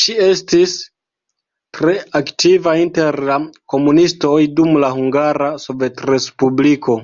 Ŝi estis tre aktiva inter la komunistoj dum la Hungara Sovetrespubliko.